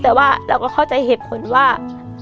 แต่ว่าเราก็เข้าใจเหตุผลว่า